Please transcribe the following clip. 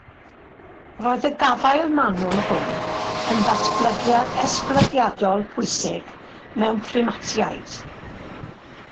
Roedd y gafael manwl hwn yn ddatblygiad esblygiadol pwysig mewn primatiaid.